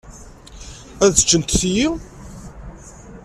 Ad ččen tiyi.